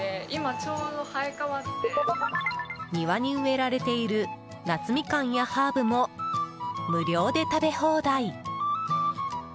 庭に植えられている夏みかんやハーブも無料で食べ放題。